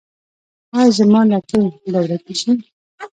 ایا زما لکې به ورکې شي؟